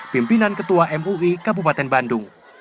pimpinan ketua mui kabupaten bandung